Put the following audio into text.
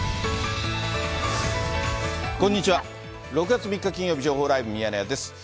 ６月３日金曜日、情報ライブミヤネ屋です。